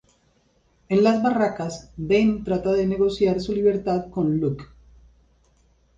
En las barracas, Ben trata de negociar su libertad con Locke.